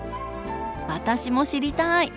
私も知りたい！